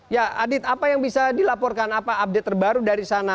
ya adit apa yang bisa dilaporkan apa update terbaru dari sana